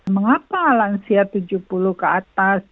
mengapa lansia tujuh puluh ke atas